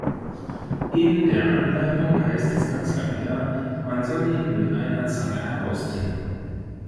In der Anleitung heißt es ganz lapidar, man soll ihn mit einer Zange herausziehen.